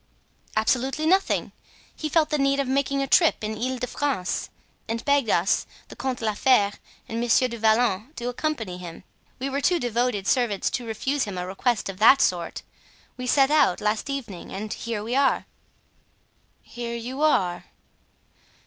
"Absolutely nothing. He felt the need of making a trip in the Ile de France, and begged us—the Comte de la Fere and Monsieur du Vallon—to accompany him. We were too devoted servants to refuse him a request of that sort. We set out last evening and here we are." "Here you are."